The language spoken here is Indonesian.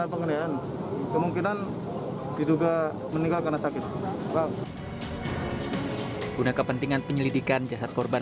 pengendalian kemungkinan diduga meninggal karena sakit guna kepentingan penyelidikan jasad korban